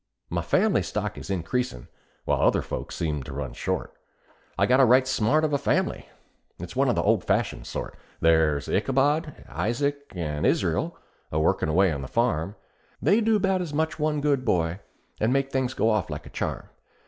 "My family stock is increasin', while other folks' seems to run short. I've got a right smart of a family it's one of the old fashioned sort: There's Ichabod, Isaac, and Israel, a workin' away on the farm They do 'bout as much as one good boy, and make things go off like a charm.